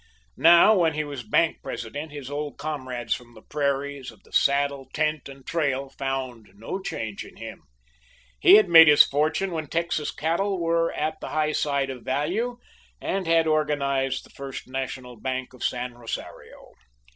Now, when he was bank president, his old comrades from the prairies, of the saddle, tent, and trail found no change in him. He had made his fortune when Texas cattle were at the high tide of value, and had organized the First National Bank of San Rosario.